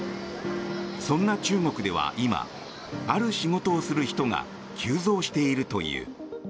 そんな中国では今ある仕事をする人が急増しているという。